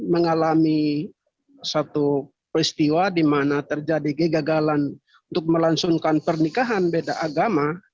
mengalami satu peristiwa di mana terjadi kegagalan untuk melangsungkan pernikahan beda agama